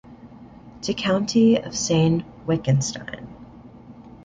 "To County of Sayn-Wittgenstein"